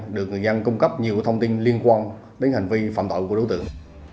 được người dân cung cấp nhiều thông tin liên quan đến hành vi phạm tội của đối tượng